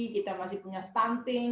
kita masih punya stunting